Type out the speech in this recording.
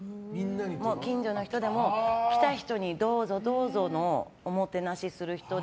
近所の人でも来た人にどうぞ、どうぞのおもてなしをする人で。